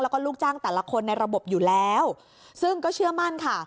แล้วก็ลูกจ้างแต่ละคนในระบบอยู่แล้วซึ่งก็เชื่อมั่นค่ะ